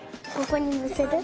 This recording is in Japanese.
ここにのせる。